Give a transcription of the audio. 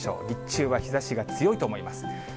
日中は日ざしが強いと思います。